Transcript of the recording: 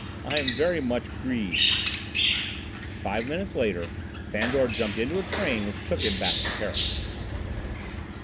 I am very much grieved!" Five minutes later, Fandor jumped into a train which took him back to Paris.